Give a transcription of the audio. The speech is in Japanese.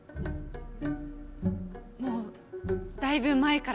もうだいぶ前からよ。